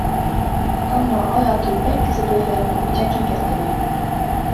Kanna ajatuid päikeseprille nagu Jackie Kennedy.